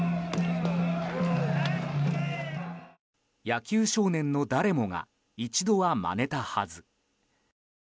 野球少年の誰もが一度は、まねたはず。